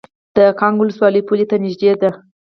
د کانګ ولسوالۍ پولې ته نږدې ده